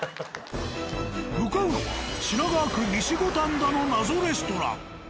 向かうのは品川区西五反田の謎レストラン。